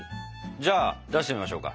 じゃあ出してみましょうか。